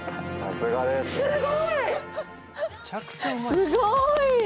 すごーい。